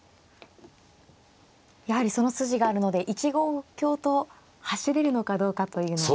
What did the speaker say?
やはりその筋があるので１五香と走れるのかどうかというのが。